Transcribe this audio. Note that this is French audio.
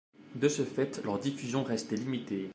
De ce fait, leur diffusion restait limitée.